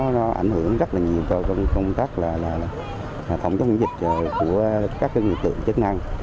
nó ảnh hưởng rất là nhiều cho công tác là phòng chống dịch của các người tượng chức năng